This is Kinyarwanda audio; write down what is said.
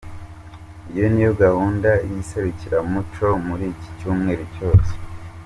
Iyi niyo gahunda y'iserukiramuco muri iki cyumweru cyose.